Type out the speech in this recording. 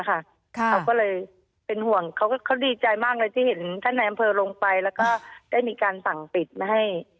เขาก็เลยเป็นห่วงเขาดีใจมากเลยที่เห็นท่านในอำเภอลงไปแล้วก็ได้มีการสั่งปิดไม่ให้